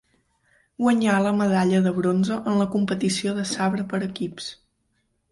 Guanyà la medalla de bronze en la competició de sabre per equips.